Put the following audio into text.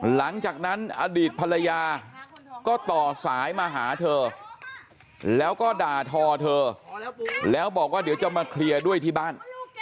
หลังจากนั้นอดีตภรรยาก็ต่อสายมาหาเธอแล้วก็ด่าทอเธอแล้วบอกว่าเดี๋ยวจะมาเคลียร์ด้วยที่บ้าน